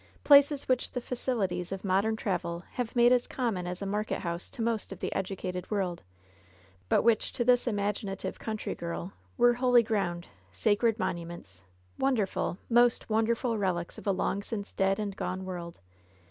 — ^places which the facilities of modem travel have made as common as a market house to most of the educated world, but which, to this imaginative, country girl, were holy ground, sacred monuments, won derful, most wonderful relics of a long since dead and gone world.